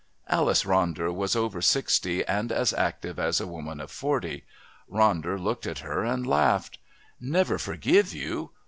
Alice Ronder was over sixty and as active as a woman of forty. Ronder looked at her and laughed. "Never forgive you!